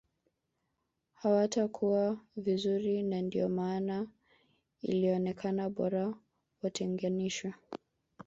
Hawatakua vizuri na ndio maana ilionekana bora watenganishwe